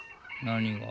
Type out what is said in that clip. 何が？